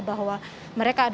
bahwa mereka adalah